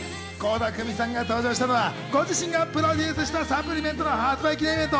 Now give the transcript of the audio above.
倖田來未さんが登場したのは、ご自身がプロデュースしたサプリメントの発売記念イベント。